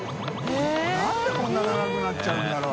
燭こんな長くなっちゃうんだろう。